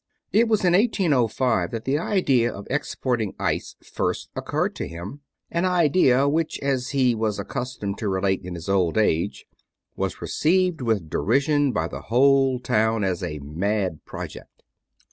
It was in 1805 that the idea of exporting ice first occurred to him an idea which, as he was accustomed to relate in his old age, was received with derision by the whole town as a "mad project."